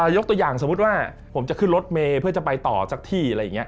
ยกตัวอย่างสมมุติว่าผมจะขึ้นรถเมเพื่อจะไปต่อสักที่